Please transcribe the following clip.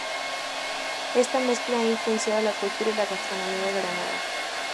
Esta mezcla ha influenciado la cultura y la gastronomía de Granada.